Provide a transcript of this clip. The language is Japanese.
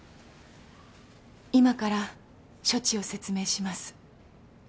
今から処置を説明します。